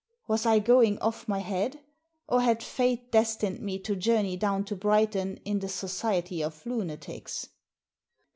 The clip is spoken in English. Was I going off my head ? Or had fate destined me to journey down to Brighton in the society of lunatics